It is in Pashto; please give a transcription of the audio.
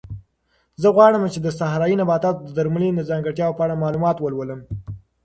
زه غواړم چې د صحرایي نباتاتو د درملنې د ځانګړتیاوو په اړه معلومات ولولم.